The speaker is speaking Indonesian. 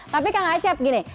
tapi kak ngacep gini